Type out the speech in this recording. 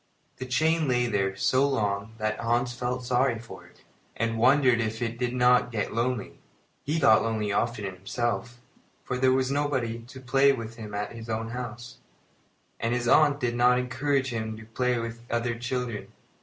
The chain lay there so long that Hans felt sorry for it, and wondered if it did not get lonely. He got lonely often himself, for there was nobody to play with him at his own home, and his aunt did not encourage him to play with other children.